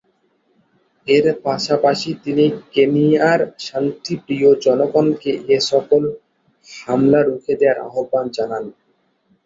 এর পাশাপাশি তিনি কেনিয়ার শান্তিপ্রিয় জনগণকে এসকল হামলা রুখে দেয়ার আহবান জানান।